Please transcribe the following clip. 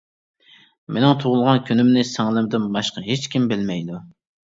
-مېنىڭ تۇغۇلغان كۈنۈمنى سىڭلىمدىن باشقا ھېچكىم بىلمەيدۇ.